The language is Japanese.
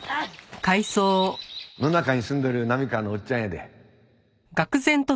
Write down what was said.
野中に住んどる波川のおっちゃんやで。